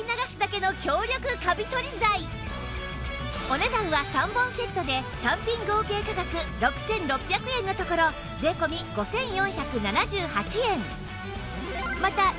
お値段は３本セットで単品合計価格６６００円のところ税込５４７８円